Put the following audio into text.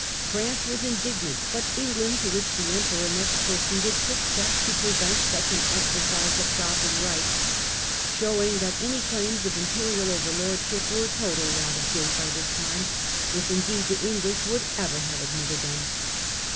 France was indignant, but England to which the Emperor next proceeded, took steps to pre vent such an exercise of sovereign rights ; showing that any claims of Imperial overlordship were totally out of date by this time, if indeed the EngHsh would ever have admitted them.